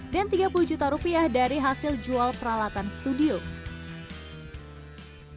dan tiga puluh juta rupiah dari hasil jual peralatan studio